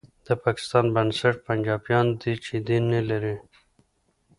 د پاکستان بنسټ پنجابیان دي چې دین نه لري